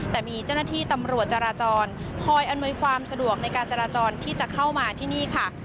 แต่มีเจ้าหน้าที่ตำรวจจราจรคอยอำนวยความสะดวกในการจราจรที่จะเข้ามาที่นี่ค่ะ